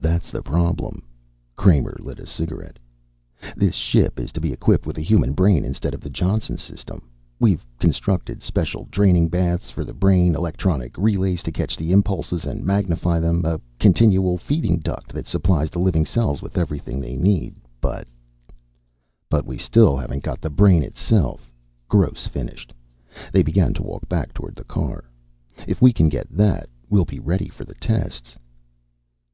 "That's the problem." Kramer lit a cigarette. "This ship is to be equipped with a human brain instead of the Johnson system. We've constructed special draining baths for the brain, electronic relays to catch the impulses and magnify them, a continual feeding duct that supplies the living cells with everything they need. But " "But we still haven't got the brain itself," Gross finished. They began to walk back toward the car. "If we can get that we'll be ready for the tests."